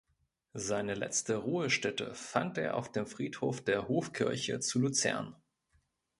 Seine letzte Ruhestätte fand er auf dem Friedhof der Hofkirche zu Luzern.